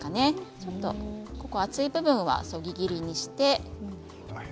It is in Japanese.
ちょっと厚い部分はそぎ切りにして。